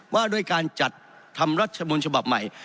ว่าด้วยการจัดทำรัฐมนต์ฉบับใหม่